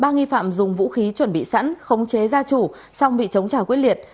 ba nghi phạm dùng vũ khí chuẩn bị sẵn khống chế gia chủ song bị chống trả quyết liệt